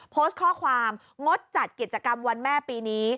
โพสต์ข้อความงดจัดกิจกรรมวันแม่ปีนี้